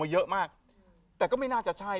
เยอะมากแต่ก็ไม่น่าจะใช่